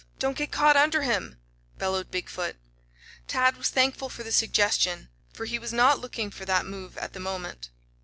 Don't get caught under him!" bellowed Big foot. Tad was thankful for the suggestion, for he was not looking for that move at the moment.